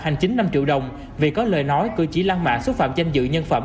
hành chính năm triệu đồng vì có lời nói cử chỉ lan mạ xúc phạm danh dự nhân phẩm